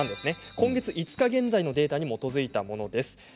今月５日現在のデータに基づいたものです。